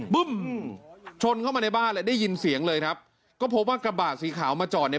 บึ้มชนเข้ามาในบ้านเลยได้ยินเสียงเลยครับก็พบว่ากระบาดสีขาวมาจอดเนี่ย